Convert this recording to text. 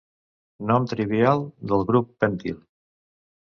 Nom trivial del grup pentil.